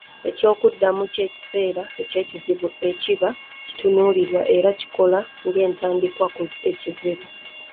Eky’ekyokuddamu eky’ekiseera eky’ekizibu ekiba kitunuulirwa era kikola ng’entandikwa ku ekizibu.